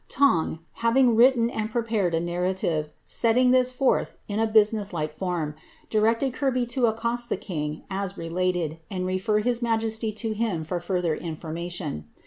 Tong, having written and prepared a narrative, setting thib fth in a business like form, directed Kirby to accost the king, as re led^ and refer his majesty to him for further information.